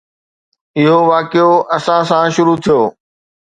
اهو واقعو اسان سان شروع ٿيو.